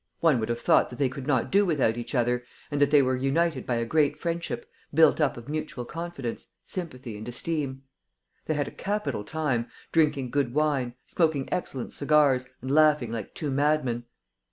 One would have thought that they could not do without each other and that they were united by a great friendship, built up of mutual confidence, sympathy and esteem. They had a capital time, drinking good wine, smoking excellent cigars, and laughing like two madmen.